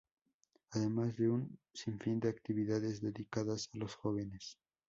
Además de un sinfín de actividades dedicadas a los jóvenes.